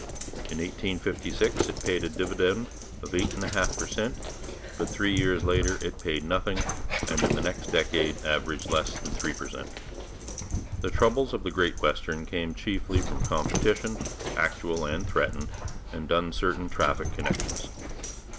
In 1856 it paid a dividend of 8 1/2 per cent, but three years later it paid nothing, and in the next decade averaged less than three per cent. The troubles of the Great Western came chiefly from competition, actual and threatened, and uncertain traffic connections.